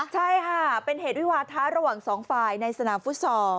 ใช่ค่ะเป็นเหตุวิวาทะระหว่างสองฝ่ายในสนามฟุตซอล